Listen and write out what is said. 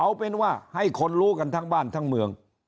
เอาเป็นว่าให้คนรู้กันทั้งบ้านทั้งเมือง